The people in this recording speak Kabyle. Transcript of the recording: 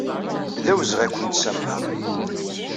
D awezɣi ad akent-samḥeɣ.